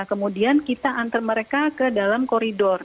kemudian kita antar mereka ke dalam koridor